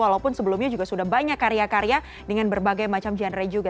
walaupun sebelumnya juga sudah banyak karya karya dengan berbagai macam genre juga